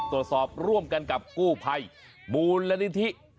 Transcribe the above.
ตรวจสอบร่วมกันกับกู้ภัยมูลนิธิ